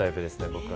僕は。